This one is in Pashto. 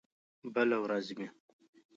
بله ورځ مې